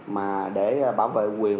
mà để bảo vệ quyền